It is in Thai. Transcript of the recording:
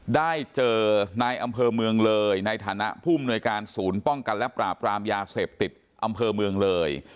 ได้เจอนายอำเภอเมืองเลยในฐานะผู้มนวยการศูนย์ป้องกันและปราบรามยาเสพติดอำเภอเมืองเลย